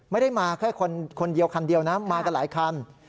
ไม่ได้มาแค่คนเดียวคันเดียวนะมากันหลายคัน